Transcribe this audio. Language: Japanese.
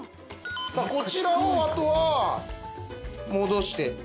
こちらをあとは戻して頂く。